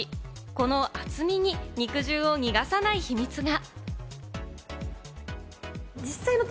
この厚みに肉汁を逃がさない秘密が。